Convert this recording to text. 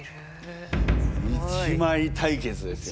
１枚対決ですよ。